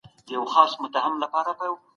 انلاين کورسونه د زده کړې له فرصت پرته نه وي.